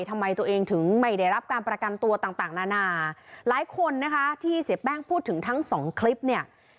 ทำไมตัวเองถึงไม่ได้รับการประกันตัวต่างต่างนานาหลายคนนะคะที่เสียแป้งพูดถึงทั้งสองคลิปเนี่ย